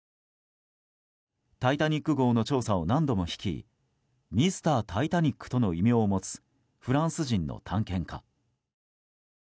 「タイタニック号」の調査を何度も率いミスタータイタニックとの異名を持つフランス人の探検家。